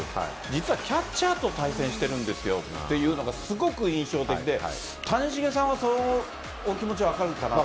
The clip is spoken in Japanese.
実はキャッチャーと対戦しているんですよというのがすごく印象的で谷繁さんはその気持ち分かるかなと。